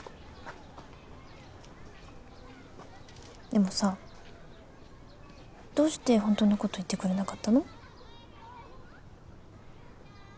でもさどうしてホントのこと言ってくれなかったの？